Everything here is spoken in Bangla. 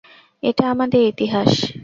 এটা আমাদের ইতিহাস!